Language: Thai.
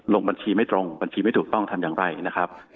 ลงบัญชีไม่ตรงบัญชีไม่ถูกต้องทำอย่างไรนะครับ